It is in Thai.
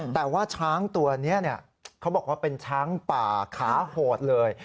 แต่ว่าช้างตัวนี้เขาบอกว่าเป็นช้างป่าขาโหดเลย